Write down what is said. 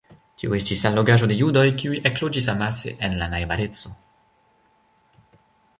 Tio estis allogaĵo de judoj, kiuj ekloĝis amase en la najbareco.